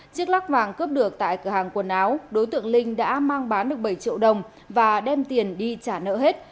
chiếc lắc vàng cướp được tại cửa hàng quần áo đối tượng linh đã mang bán được bảy triệu đồng và đem tiền đi trả nợ hết